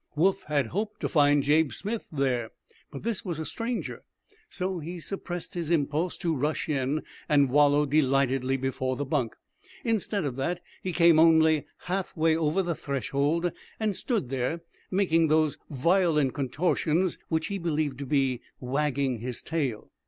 Woof had hoped to find Jabe Smith there. But this was a stranger, so he suppressed his impulse to rush in and wallow delightedly before the bunk. Instead of that, he came only half way over the threshold, and stood there making those violent contortions which he believed to be wagging his tail.